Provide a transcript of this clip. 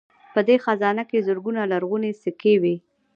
په دې خزانه کې زرګونه لرغونې سکې وې